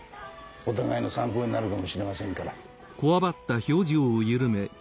お互いの参考になるかもしれませんから。